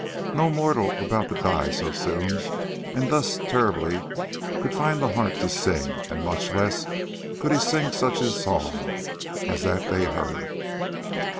No mortal about to die so soon and thus terribly could find the heart to sing, and much less could he sing such a song as that they heard.